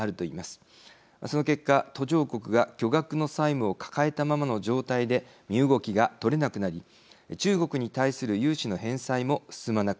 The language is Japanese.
その結果途上国が巨額の債務を抱えたままの状態で身動きが取れなくなり中国に対する融資の返済も進まなくなる。